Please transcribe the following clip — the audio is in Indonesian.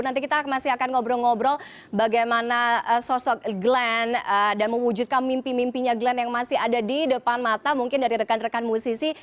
nanti kita masih akan ngobrol ngobrol bagaimana sosok glenn dan mewujudkan mimpi mimpinya glenn yang masih ada di depan mata mungkin dari rekan rekan musisi